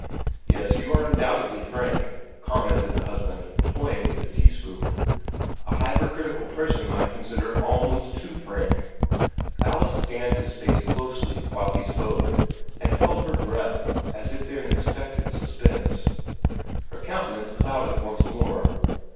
"Yes, you are undoubtedly frank," commented the husband, toying with his teaspoon. "A hypercritical person might consider, almost too frank." Alice scanned his face closely while he spoke, and held her breath as if in expectant suspense. Her countenance clouded once more.